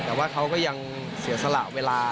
แต่ว่าเขาก็ยังเสียสละเวลา